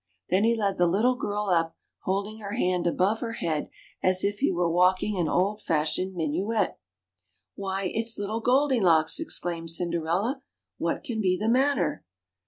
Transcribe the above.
Then he led the little girl up, holding her hand above her head, as if he were walking an old fashioned minuet. Why 1 it's Little Goldilocks," exclaimed Cinderella ; ^^what can be the matter?"